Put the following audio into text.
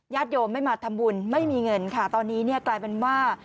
โยมไม่มาทำบุญไม่มีเงินค่ะตอนนี้เนี่ยกลายเป็นว่า